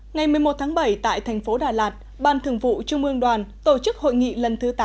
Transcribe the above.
ngày một mươi một tháng bảy tại thành phố đà lạt ban thường vụ trung ương đoàn tổ chức hội nghị lần thứ tám